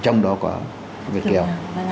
trong đó có người kiều